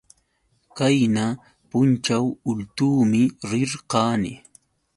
Qayna pućhaw ultuumi rirqani.